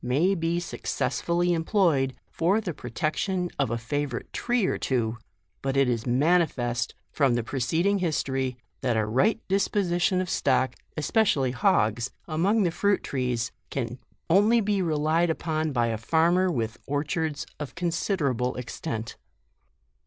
may be success fully employed for the protection of a favour ite tree or two, but it is manifest, from the preceding history, that a right disposition of stock, especially hogs, among the fruit trees, can only be relied upon by a farmer with orchards of considerable extent.